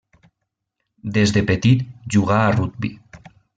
Des de petit jugà a rugbi.